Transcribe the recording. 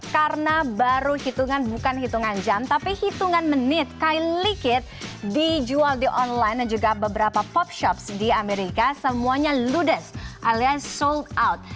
karena baru hitungan bukan hitungan jam tapi hitungan menit kylie kit dijual di online dan juga beberapa pop shops di amerika semuanya ludes alias sold out